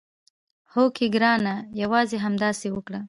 هوکې ګرانه یوازې همداسې وکړه.